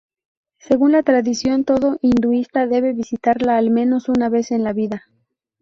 Según la tradición, todo hinduista debe visitarla al menos una vez en la vida.